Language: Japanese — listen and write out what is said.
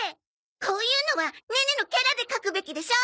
こういうのはネネのキャラで描くべきでしょ！